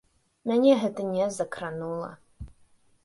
Мяне гэта не закранула.